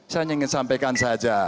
saya ingin sampaikan saja